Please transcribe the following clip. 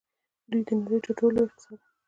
دوی د نړۍ تر ټولو لوی اقتصاد وو.